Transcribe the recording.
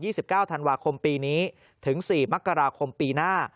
สิบเก้าธันวาคมปีนี้ถึงสี่มกราคมปีหน้า